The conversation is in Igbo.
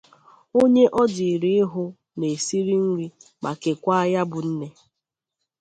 Onye o dịịrị ịhu na e siri nri ma kekwaa ya bụ nne